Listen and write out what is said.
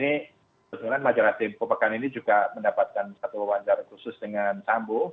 ini sesungguhnya masalah tempo pekan ini juga mendapatkan satu wawancara khusus dengan sambo